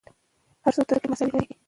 هر څوک د زدهکړې مساوي حق لري.